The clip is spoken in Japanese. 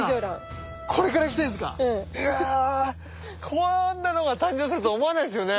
こんなのが誕生すると思わないですよね。